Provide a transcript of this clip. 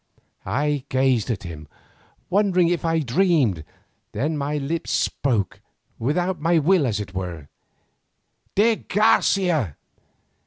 I gazed at him, wondering if I dreamed, then my lips spoke, without my will as it were: "_De Garcia!